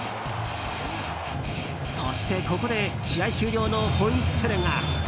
そして、ここで試合終了のホイッスルが。